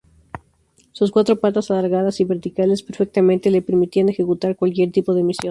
Sus cuatro patas alargadas y verticales perfectamente le permitían ejecutar cualquier tipo de misión.